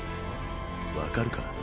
分かるか？